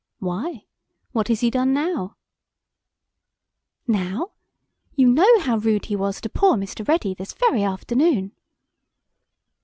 "Why? What has he done now?" "Now? You know how rude he was to poor Mr. Ready this very afternoon!"